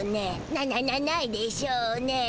なななないでしょうねえ。